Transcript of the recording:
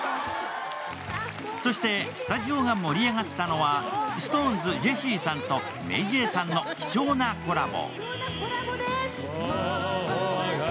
そして、スタジオが盛り上がったのは、ＳｉｘＴＯＮＥＳ・ジェシーさんとＭａｙＪ．さんの貴重なコラボ。